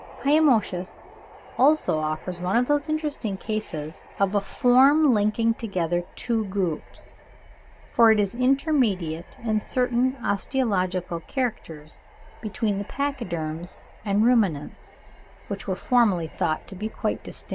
Hyomoschus, also, offers one of those interesting cases of a form linking together two groups, for it is intermediate in certain osteological characters between the pachyderms and ruminants, which were formerly thought to be quite distinct.